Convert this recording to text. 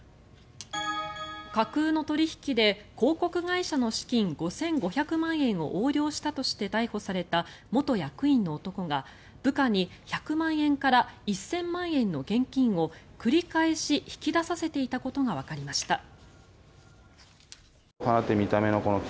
架空の取引で広告会社の資金５５００万円を横領したとして逮捕された元役員の男が部下に１００万円から１０００万円の現金を繰り返し引き出させていたことがわかりました。